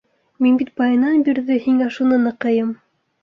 Мин бит баянан бирҙе һиңә шуны ныҡыйым.